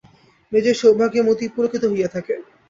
নিজের সৌভাগ্যে মতি পুলকিত হইয়া থাকে।